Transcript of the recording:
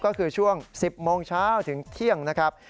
ก็คือช่วง๑๐โมงเช้าถึงเที่ยงนะครับ